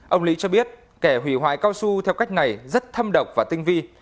ông lý cho biết kẻ hủy hoại cao su theo cách này rất thâm độc và tinh vi